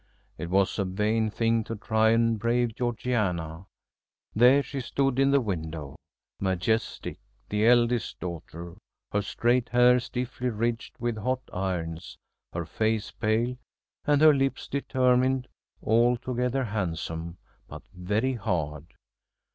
It was a vain thing to try and brave Georgiana. There she stood in the window, majestic, the eldest daughter, her straight hair stiffly ridged with hot irons, her face pale, and her lips determined, altogether handsome, but very hard.